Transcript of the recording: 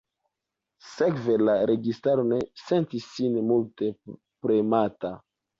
Sekve la registaro ne sentis sin multe premata.